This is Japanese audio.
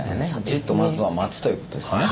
じっとまずは待つということですね。